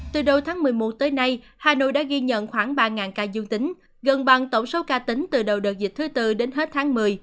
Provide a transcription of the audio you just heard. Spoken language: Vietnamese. từ đầu tháng một mươi một tới nay hà nội đã ghi nhận khoảng ba ca dương tính gần bằng tổng số ca tính từ đầu đợt dịch thứ tư đến hết tháng một mươi